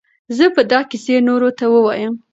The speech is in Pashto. زه به دا کیسه نورو ته ووایم.